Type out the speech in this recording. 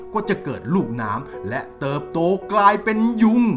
ก็จะเกิดลูกน้ำและเติบโตกลายเป็นยุง